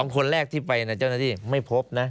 คนแรกที่ไปเจ้าหน้าที่ไม่พบนะ